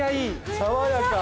爽やか。